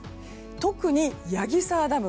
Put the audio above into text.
特に矢木沢ダム。